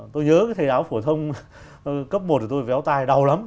tôi nhớ thầy giáo phổ thông cấp một của tôi véo tai đau lắm